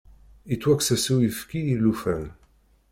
Yettwakkes-as uyefki i llufan.